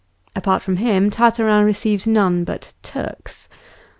Apart from him, Tartarin received none but "Turks."